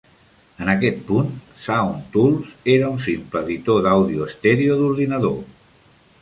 En aquest punt, Sound Tools era un simple editor d'àudio estèreo d'ordinador.